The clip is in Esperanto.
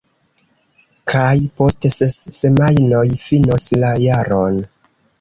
Kaj post ses semajnoj finos la jaron.